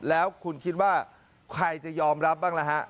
แล้วคุณคิดว่าใครจะยอมรับบ้างล่ะฮะ